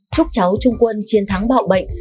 chúc cháu trung quân chiến thắng bạo bệnh